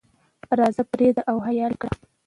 راځه پردې او حیا لرې کړه.